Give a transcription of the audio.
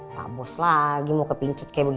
pak bos lagi mau kepingcut kayak begitu